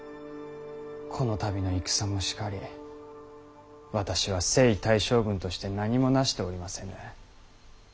この度の戦もしかり私は征夷大将軍として何もなしておりませぬ。